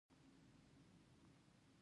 افغانستان د دځنګل حاصلات له مخې پېژندل کېږي.